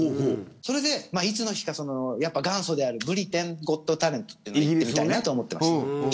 それで、いつの日か元祖であるブリテンズ・ゴット・タレントにいってみたいなと思っていました。